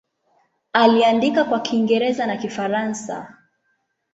Aliandika kwa Kiingereza na Kifaransa.